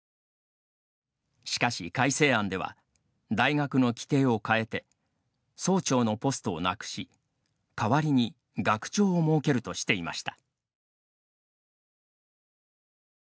しかし改正案では大学の規定をかえて総長のポストをなくし、代わりに学長を設けるとしていました。